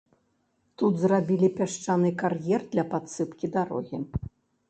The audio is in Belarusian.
Тут зрабілі пясчаны кар'ер для падсыпкі дарогі.